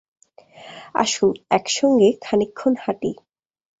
আসুন, একসঙ্গে খানিকক্ষণ হাঁটি।